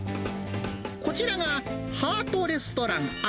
こちらが、ハートレストラン安